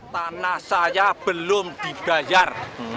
tanah saya belum dibayar